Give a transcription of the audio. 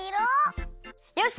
よし！